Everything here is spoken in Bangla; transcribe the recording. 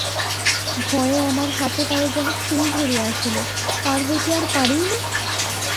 ভয়ে আমার হাতে পায়ে যেন খিল ধরিয়া আসিল, পার হইতে আর পারিই না।